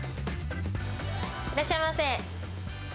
いらっしゃいませ。